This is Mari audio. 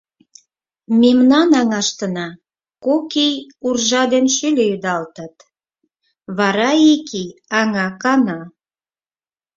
Мемнан аҥаштына кок ий уржа ден шӱльӧ ӱдалтыт, вара ик ий аҥа кана.